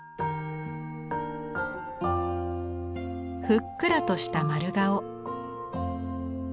ふっくらとした丸顔。